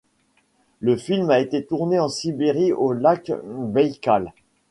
Le film a été tourné en Sibérie, au lac Baïkal.